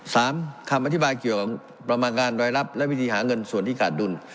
คำอธิบายเกี่ยวกับประมาณการรายรับและวิธีหาเงินส่วนที่ขาดดุล